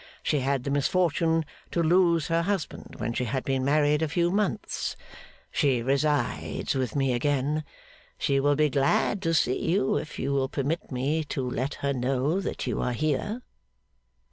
She had the misfortune to lose her husband when she had been married a few months. She resides with me again. She will be glad to see you, if you will permit me to let her know that you are here.